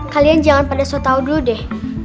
kalian jangan pada setau dulu deh